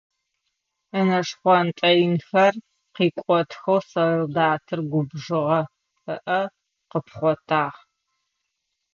Ынэ шхъонтӏэ инхэр къикӏотхэу солдатыр губжыгъэ, ыӏэ къыпхъотагъ.